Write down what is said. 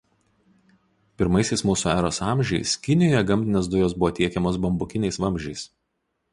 Pirmaisiais m. e. amžiais Kinijoje gamtinės dujos buvo tiekiamos bambukiniais vamzdžiais.